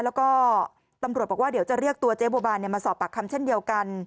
แล้วก็ตำรวจบอกว่าเดี๋ยวจะเรียกตัวเจ๊บัวบานมาสอบปากคำเช่นเดียวกัน